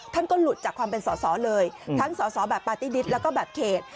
ท่านก็หลุดจากความเป็นสอสอเลยทั้งสอสอแบบปาร์ตี้นิดแล้วก็แบบเขต